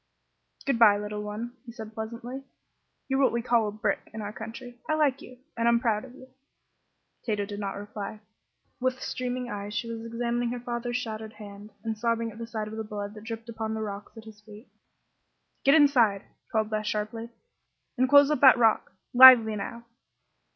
"Good bye, little one," he said, pleasantly; "you're what we call a 'brick' in our country. I like you, and I'm proud of you." Tato did not reply. With streaming eyes she was examining her father's shattered hand, and sobbing at sight of the blood that dripped upon the rocks at his feet. "Get inside!" called Beth, sharply; "and close up that rock. Lively, now!"